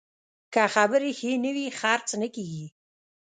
که خبرې ښې نه وي، خرڅ نه کېږي.